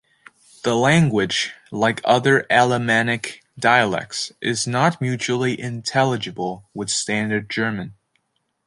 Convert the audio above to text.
The language, like other Alemannic dialects, is not mutually intelligible with Standard German.